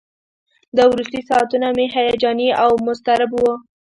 دا وروستي ساعتونه مې هیجاني او مضطرب وو.